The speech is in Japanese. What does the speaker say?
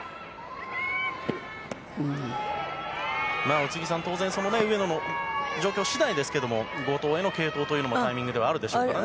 宇津木さん、当然上野の状況次第ですけれども後藤への継投もタイミングではあるでしょうね。